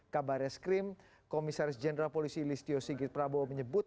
kabar eskrim komisaris jenderal polisi listio sigit prabowo menyebut